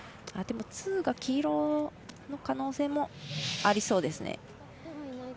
でも、ツーが黄色の可能性もありそうですね。